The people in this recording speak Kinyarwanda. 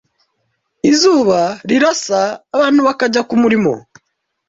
Izuba rirasa abantu bakajya ku mirimo